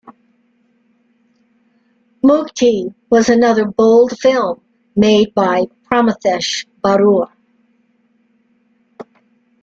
Mukti was another bold film made by Pramathesh Barua.